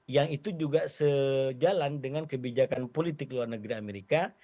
yang itu juga sejalan dengan kebijakan politik luar negeri amerika